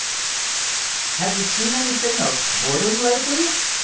"Have you seen anything of Borden lately?"